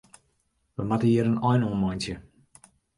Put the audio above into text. Wy moatte hjir in ein oan meitsje.